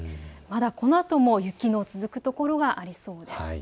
まだ、このあとも雪の続く所がありそうです。